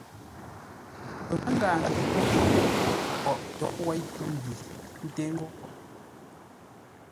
Pəmə́ngáa-njʉʼ pwóghʼ é, Pwogh tóghʼ wéi tû-mbi nté ńgó.